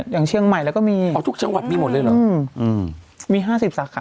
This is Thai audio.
อย่างเชียงใหม่แล้วก็มีอ๋อทุกจังหวัดมีหมดเลยเหรอมี๕๐สาขา